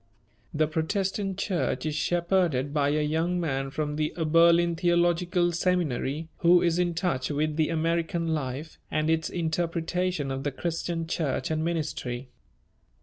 The Protestant church is shepherded by a young man from the Oberlin Theological Seminary, who is in touch with the American life and its interpretation of the Christian Church and ministry.